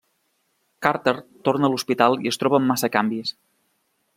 Carter torna a l'hospital i es troba amb massa canvis.